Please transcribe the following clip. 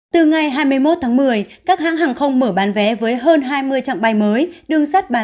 từ ngày hai mươi một tháng một mươi các hãng hàng không mở bán vé với hơn hai mươi trạng bay mới